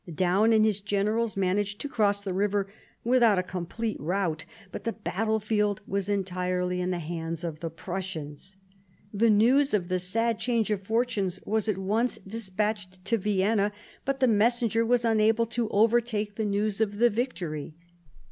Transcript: Daun and his generals managed to cross the river without a complete rout, but the battlefield was entirely in the hands of the Prussians. The news of the sad change of fortune was at once despatched to Vienna, but the messenger was unable to overtake the news of the victory.